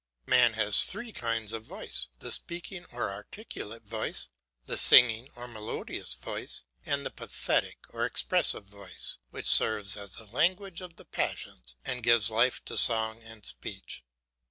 Man has three kinds of voice, the speaking or articulate voice, the singing or melodious voice, and the pathetic or expressive voice, which serves as the language of the passions, and gives life to song and speech.